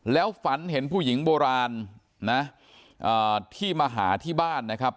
แล้วฝันเห็นผู้หญิงโบราณนะที่มาหาที่บ้านนะครับ